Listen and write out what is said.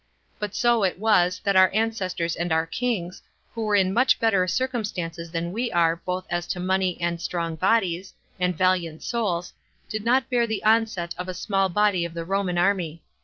But so it was, that our ancestors and their kings, who were in much better circumstances than we are, both as to money, and strong bodies, and [valiant] souls, did not bear the onset of a small body of the Roman army.